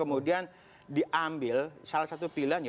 kemudian diambil salah satu pilihan ya